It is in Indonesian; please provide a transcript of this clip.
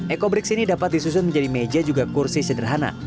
eco brigs ini dapat disusun menjadi meja juga kursi sederhana